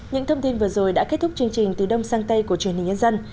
những thông tin vừa rồi đã kết thúc chương trình từ đông sang tây của truyền hình nhân dân